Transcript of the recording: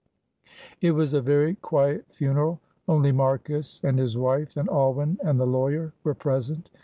It was a very quiet funeral. Only Marcus and his wife and Alwyn and the lawyer were present.